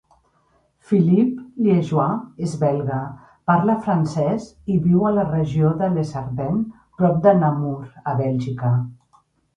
Philippe Liégeois és belga, parla francès i viu a la regió de les Ardenes, a prop de Namur, a Bèlgica.